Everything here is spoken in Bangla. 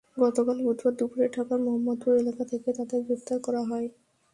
গতকাল বুধবার দুপুরে ঢাকার মোহাম্মদপুর এলাকা থেকে তাঁদের গ্রেপ্তার করা হয়।